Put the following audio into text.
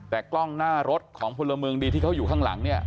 แต่กล้องหน้ารถของพลเมืองดีที่เขาอยู่ข้างหลังเนี่ย